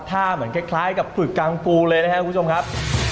เหมือนคล้ายกับฝึกกังปูเลยนะครับคุณผู้ชมครับ